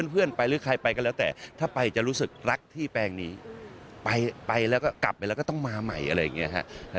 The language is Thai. เพื่อนไปหรือใครไปก็แล้วแต่ถ้าไปจะรู้สึกรักที่แปลงนี้ไปแล้วก็กลับไปแล้วก็ต้องมาใหม่อะไรอย่างนี้ฮะ